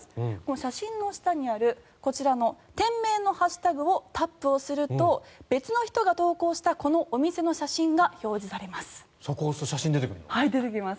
写真の下にあるこちらの店名のハッシュタグをタップすると別の人が投稿したこのお店の写真が表示されます。